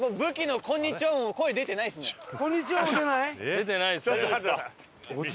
出てないですね。